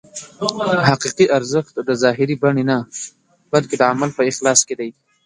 حقیقي ارزښت د ظاهري بڼې نه بلکې د عمل په اخلاص کې دی.